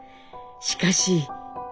しかし。